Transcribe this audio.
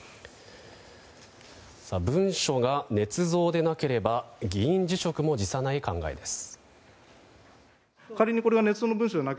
文書がねつ造でなければ議員辞職も辞さない考えです。